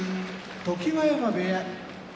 常盤山部屋